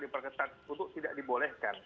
diperketat untuk tidak dibolehkan